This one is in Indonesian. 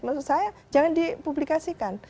maksud saya jangan dipublikasikan